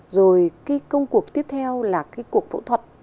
rồi cái công cuộc tiếp theo là cái cuộc phẫu thuật